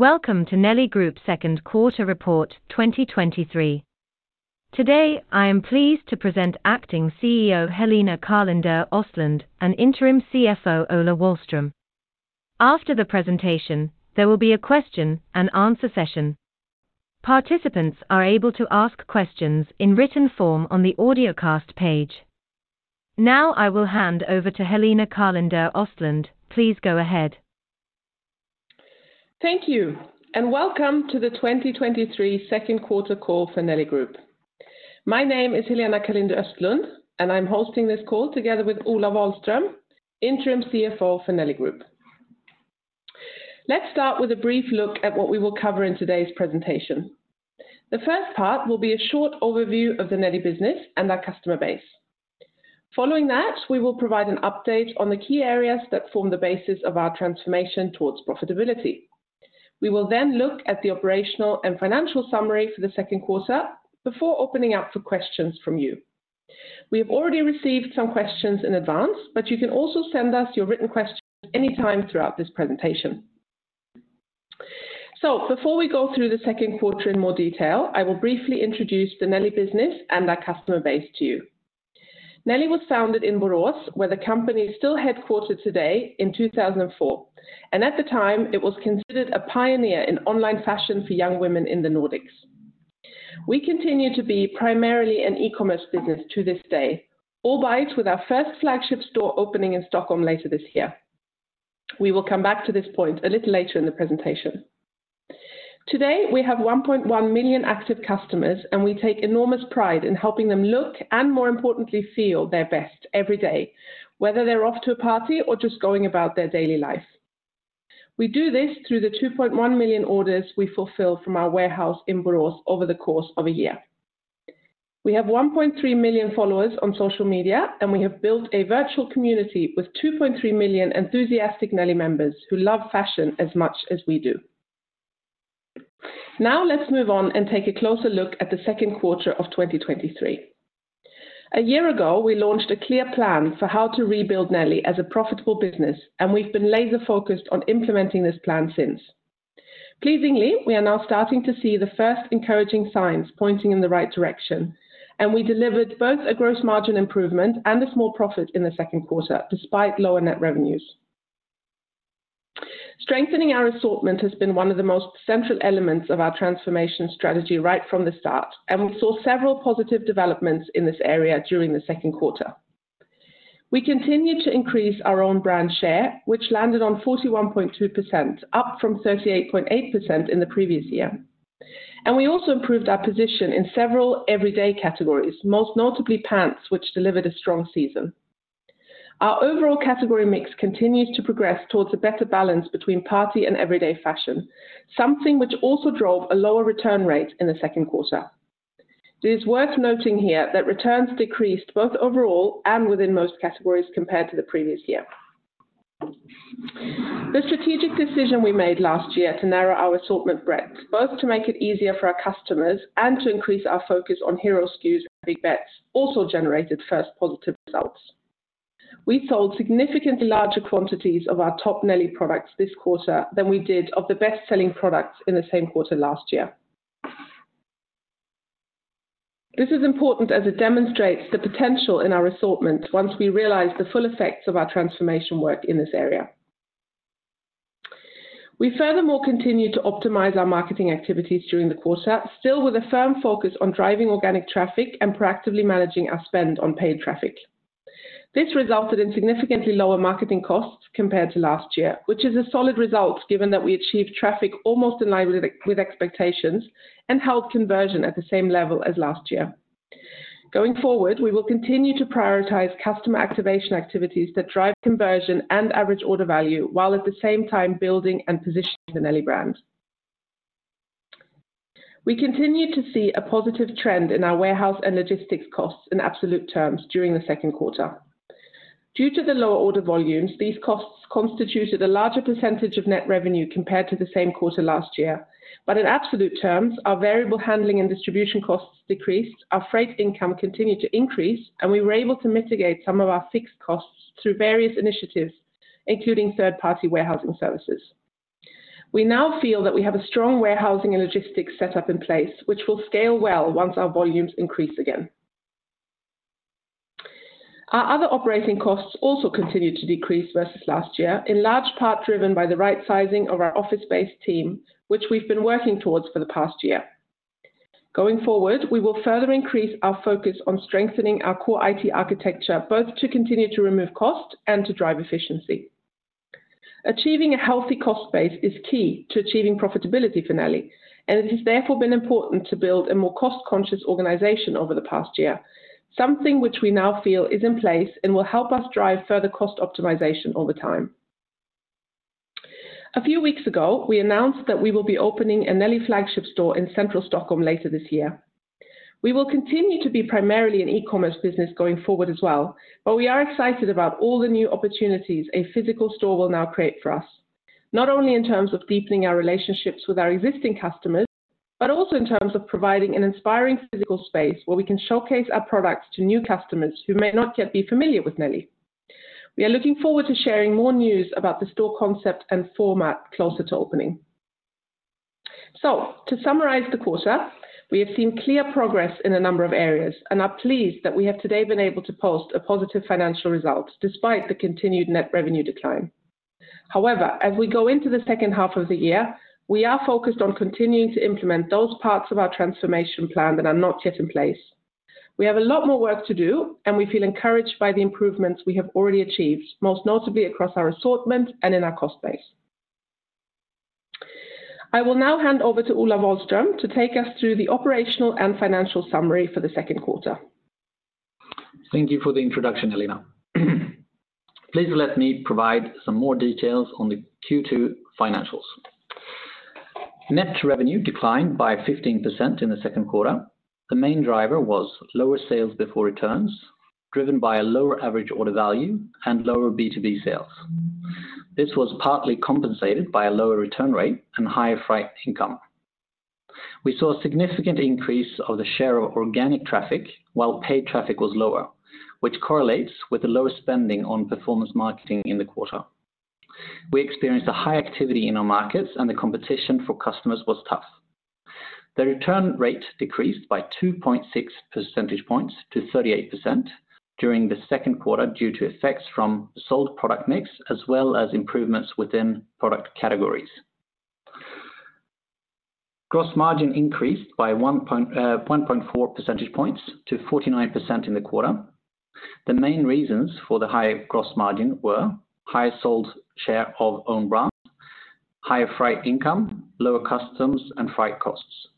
Welcome to Nelly Group second quarter report 2023. Today, I am pleased to present acting CEO Helena Karlinder-Östlund and Interim CFO Ola Wahlström. After the presentation, there will be a question and answer session. Participants are able to ask questions in written form on the audiocast page. Now I will hand over to Helena Karlinder-Östlund. Östlund. Please go ahead. Thank you. Welcome to the 2023 second quarter call for Nelly Group. My name is Helena Karlinder-Östlundh. I'm hosting this call together with Ola Wahlström, Interim CFO for Nelly Group. Let's start with a brief look at what we will cover in today's presentation. The first part will be a short overview of the Nelly business and our customer base. Following that, we will provide an update on the key areas that form the basis of our transformation towards profitability. We will look at the operational and financial summary for the second quarter before opening up for questions from you. We have already received some questions in advance. You can also send us your written questions anytime throughout this presentation. Before we go through the second quarter in more detail, I will briefly introduce the Nelly business and our customer base to you. Nelly was founded in Borås, where the company is still headquartered today in 2004. At the time, it was considered a pioneer in online fashion for young women in the Nordics. We continue to be primarily an e-commerce business to this day, albeit with our first flagship store opening in Stockholm later this year. We will come back to this point a little later in the presentation. Today, we have 1.1 million active customers. We take enormous pride in helping them look, and more importantly, feel their best every day, whether they're off to a party or just going about their daily life. We do this through the 2.1 million orders we fulfill from our warehouse in Borås over the course of a year. We have 1.3 million followers on social media, and we have built a virtual community with 2.3 million enthusiastic Nelly members who love fashion as much as we do. Let's move on and take a closer look at the second quarter of 2023. A year ago, we launched a clear plan for how to rebuild Nelly as a profitable business, and we've been laser-focused on implementing this plan since. Pleasingly, we are now starting to see the first encouraging signs pointing in the right direction, and we delivered both a gross margin improvement and a small profit in the second quarter, despite lower net revenues. Strengthening our assortment has been one of the most central elements of our transformation strategy right from the start, and we saw several positive developments in this area during the second quarter. We continued to increase our own brand share, which landed on 41.2%, up from 38.8% in the previous year. We also improved our position in several everyday categories, most notably pants, which delivered a strong season. Our overall category mix continues to progress towards a better balance between party and everyday fashion, something which also drove a lower return rate in the second quarter. It is worth noting here that returns decreased both overall and within most categories compared to the previous year. The strategic decision we made last year to narrow our assortment breadth, both to make it easier for our customers and to increase our focus on hero SKUs and big bets, also generated first positive results. We sold significantly larger quantities of our top Nelly products this quarter than we did of the best-selling products in the same quarter last year. This is important as it demonstrates the potential in our assortment once we realize the full effects of our transformation work in this area. We furthermore continued to optimize our marketing activities during the quarter, still with a firm focus on driving organic traffic and proactively managing our spend on paid traffic. This resulted in significantly lower marketing costs compared to last year, which is a solid result, given that we achieved traffic almost in line with expectations and held conversion at the same level as last year. Going forward, we will continue to prioritize customer activation activities that drive conversion and average order value, while at the same time building and positioning the Nelly brand. We continued to see a positive trend in our warehouse and logistics costs in absolute terms during the second quarter. Due to the lower order volumes, these costs constituted a larger percentage of net revenue compared to the same quarter last year, but in absolute terms, our variable handling and distribution costs decreased, our freight income continued to increase, and we were able to mitigate some of our fixed costs through various initiatives, including third-party warehousing services. We now feel that we have a strong warehousing and logistics set up in place, which will scale well once our volumes increase again. Our other operating costs also continued to decrease versus last year, in large part driven by the right sizing of our office-based team, which we've been working towards for the past year. Going forward, we will further increase our focus on strengthening our core IT architecture, both to continue to remove cost and to drive efficiency. It has therefore been important to build a more cost-conscious organization over the past year, something which we now feel is in place and will help us drive further cost optimization over time. A few weeks ago, we announced that we will be opening a Nelly flagship store in central Stockholm later this year. We will continue to be primarily an e-commerce business going forward as well, but we are excited about all the new opportunities a physical store will now create for us, not only in terms of deepening our relationships with our existing customers, but also in terms of providing an inspiring physical space where we can showcase our products to new customers who may not yet be familiar with Nelly. We are looking forward to sharing more news about the store concept and format closer to opening. To summarize the quarter, we have seen clear progress in a number of areas and are pleased that we have today been able to post a positive financial result, despite the continued net revenue decline. As we go into the second half of the year, we are focused on continuing to implement those parts of our transformation plan that are not yet in place. We have a lot more work to do, and we feel encouraged by the improvements we have already achieved, most notably across our assortment and in our cost base. I will now hand over to Ola Wahlström to take us through the operational and financial summary for the second quarter. Thank you for the introduction, Helena. Please let me provide some more details on the Q2 financials. Net revenue declined by 15% in the second quarter. The main driver was lower sales before returns, driven by a lower average order value and lower B2B sales. This was partly compensated by a lower return rate and higher freight income. We saw a significant increase of the share of organic traffic, while paid traffic was lower, which correlates with the lower spending on performance marketing in the quarter. We experienced a high activity in our markets. The competition for customers was tough. The return rate decreased by 2.6 percentage points to 38% during the second quarter, due to effects from sold product mix, as well as improvements within product categories. Gross margin increased by 1.4 percentage points to 49% in the quarter. The main reasons for the high gross margin were high sold share of own brand, higher freight income, lower customs, and freight costs.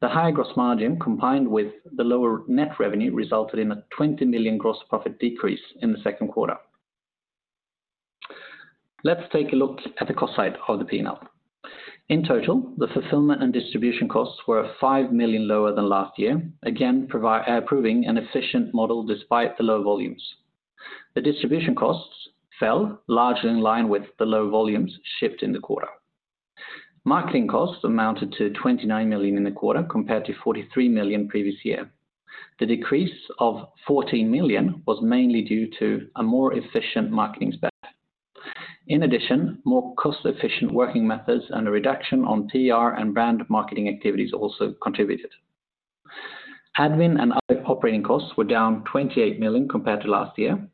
The higher gross margin, combined with the lower net revenue, resulted in a 20 million gross profit decrease in the second quarter. Let's take a look at the cost side of the P&L. In total, the fulfillment and distribution costs were 5 million lower than last year, again, proving an efficient model despite the low volumes. The distribution costs fell largely in line with the low volumes shift in the quarter. Marketing costs amounted to 29 million in the quarter, compared to 43 million previous year. The decrease of 14 million was mainly due to a more efficient marketing stack. In addition, more cost-efficient working methods and a reduction on PR and brand marketing activities also contributed. Admin and other operating costs were down 28 million compared to last year.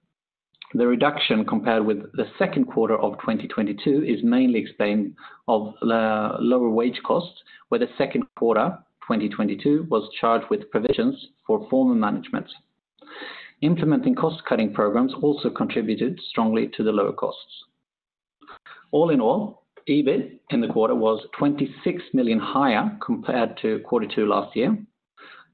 The reduction compared with the second quarter of 2022 is mainly explained of the lower wage costs, where the second quarter, 2022, was charged with provisions for former management. Implementing cost-cutting programs also contributed strongly to the lower costs. All in all, EBIT in the quarter was 26 million higher compared to quarter two last year.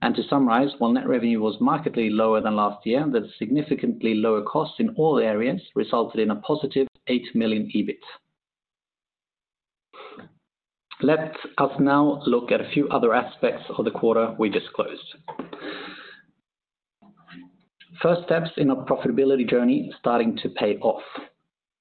To summarize, while net revenue was markedly lower than last year, the significantly lower costs in all areas resulted in a positive 8 million EBIT. Let us now look at a few other aspects of the quarter we disclosed. First steps in our profitability journey starting to pay off.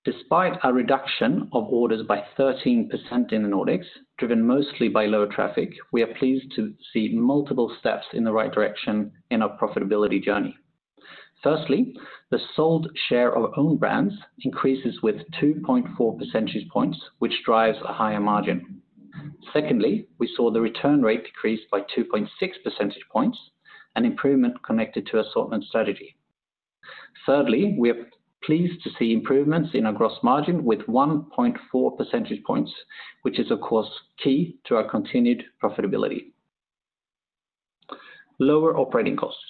Despite a reduction of orders by 13% in the Nordics, driven mostly by lower traffic, we are pleased to see multiple steps in the right direction in our profitability journey. Firstly, the sold share of own brands increases with 2.4 percentage points, which drives a higher margin. Secondly, we saw the return rate decrease by 2.6 percentage points, an improvement connected to assortment strategy. Thirdly, we are pleased to see improvements in our gross margin with 1.4 percentage points, which is, of course, key to our continued profitability. Lower operating costs.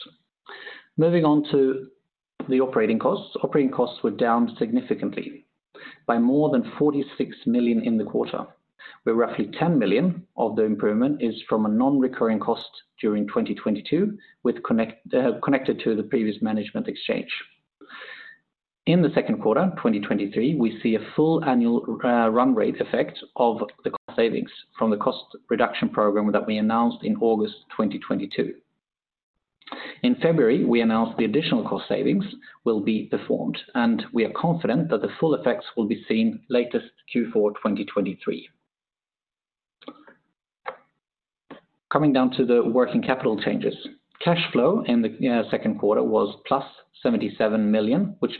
Moving on to the operating costs. Operating costs were down significantly by more than 46 million in the quarter, where roughly 10 million of the improvement is from a non-recurring cost during 2022, connected to the previous management exchange. In the second quarter, 2023, we see a full annual run rate effect of the cost savings from the cost reduction program that we announced in August 2022. In February, we announced the additional cost savings will be performed, and we are confident that the full effects will be seen latest Q4 2023. Coming down to the working capital changes. Cash flow in the second quarter was +77 million, which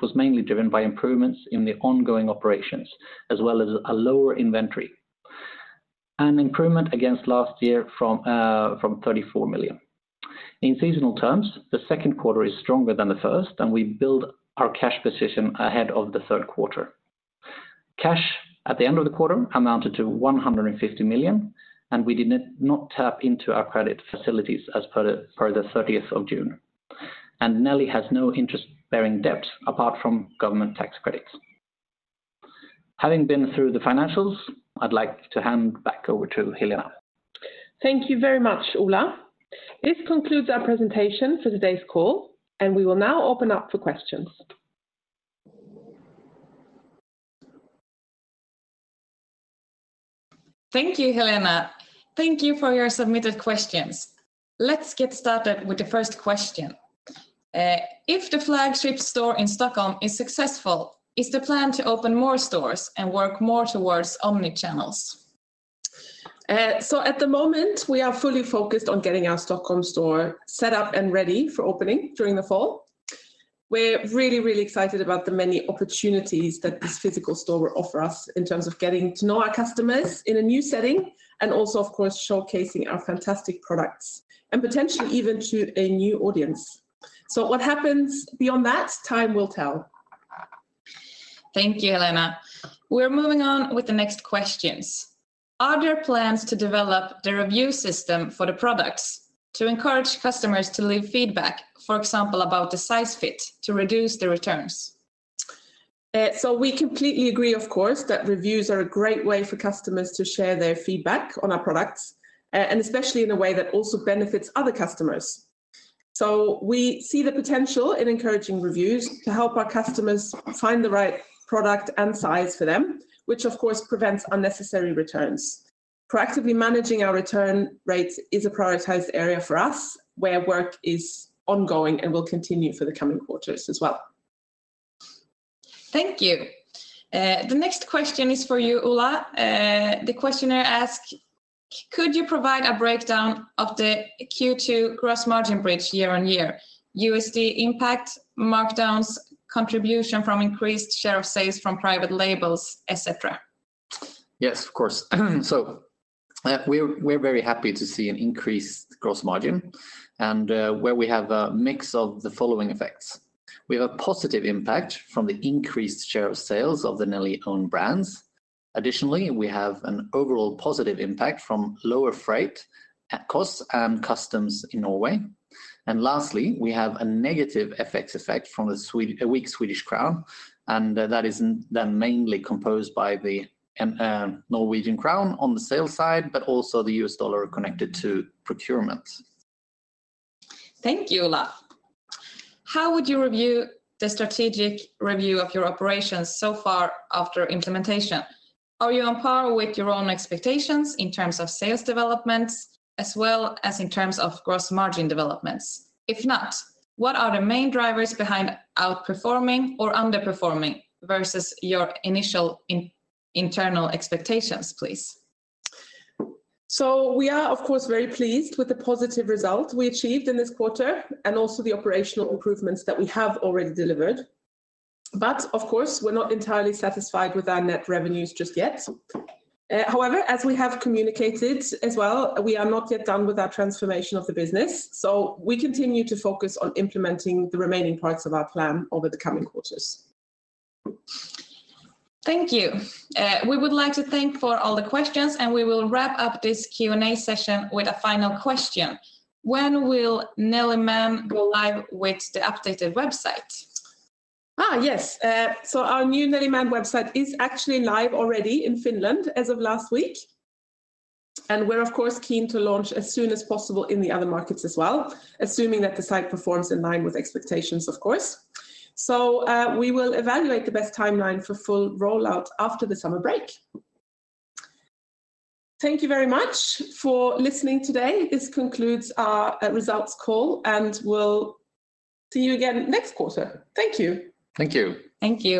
was mainly driven by improvements in the ongoing operations, as well as a lower inventory, an improvement against last year from 34 million. In seasonal terms, the second quarter is stronger than the first. We build our cash position ahead of the third quarter. Cash at the end of the quarter amounted to 150 million, and we did not tap into our credit facilities as per the 30th of June. Nelly has no interest-bearing debt apart from government tax credits. Having been through the financials, I'd like to hand back over to Helena. Thank you very much, Ola. This concludes our presentation for today's call. We will now open up for questions. Thank you, Helena. Thank you for your submitted questions. Let's get started with the first question. If the flagship store in Stockholm is successful, is the plan to open more stores and work more towards omnichannels? At the moment, we are fully focused on getting our Stockholm store set up and ready for opening during the fall. We're really excited about the many opportunities that this physical store will offer us in terms of getting to know our customers in a new setting, and also, of course, showcasing our fantastic products, and potentially even to a new audience. What happens beyond that, time will tell. Thank you, Helena. We're moving on with the next questions. Are there plans to develop the review system for the products to encourage customers to leave feedback, for example, about the size fit, to reduce the returns? We completely agree, of course, that reviews are a great way for customers to share their feedback on our products, and especially in a way that also benefits other customers. We see the potential in encouraging reviews to help our customers find the right product and size for them, which of course prevents unnecessary returns. Proactively managing our return rates is a prioritized area for us, where work is ongoing and will continue for the coming quarters as well. Thank you. The next question is for you, Ola. The questioner asked, "Could you provide a breakdown of the Q2 gross margin bridge year-on-year, USD impact, markdowns, contribution from increased share of sales from private labels, et cetera? Yes, of course. We're very happy to see an increased gross margin, and where we have a mix of the following effects. We have a positive impact from the increased share of sales of the Nelly own brands. Additionally, we have an overall positive impact from lower freight costs and customs in Norway. Lastly, we have a negative FX effect from a weak Swedish crown, that is then mainly composed by the Norwegian crown on the sales side, but also the US dollar connected to procurement. Thank you, Ola. How would you review the strategic review of your operations so far after implementation? Are you on par with your own expectations in terms of sales developments, as well as in terms of gross margin developments? If not, what are the main drivers behind outperforming or underperforming versus your initial internal expectations, please? We are, of course, very pleased with the positive result we achieved in this quarter, and also the operational improvements that we have already delivered. Of course, we're not entirely satisfied with our net revenues just yet. However, as we have communicated as well, we are not yet done with our transformation of the business, so we continue to focus on implementing the remaining parts of our plan over the coming quarters. Thank you. We would like to thank for all the questions. We will wrap up this Q&A session with a final question: When will Nelly.com go live with the updated website? Our new Nelly.com website is actually live already in Finland as of last week, and we're of course, keen to launch as soon as possible in the other markets as well, assuming that the site performs in line with expectations, of course. We will evaluate the best timeline for full rollout after the summer break. Thank you very much for listening today. This concludes our results call, and we'll see you again next quarter. Thank you! Thank you. Thank you.